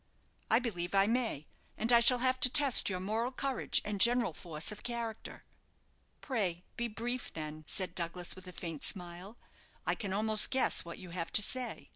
"I believe I may, and I shall have to test your moral courage and general force of character." "Pray be brief, then," said Douglas with a faint smile. "I can almost guess what you have to say.